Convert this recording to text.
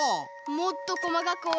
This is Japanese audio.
もっとこまかくおれば。